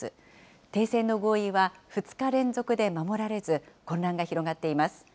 停戦の合意は２日連続で守られず、混乱が広がっています。